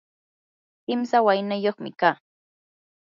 kimsa waynayuqmi kaa.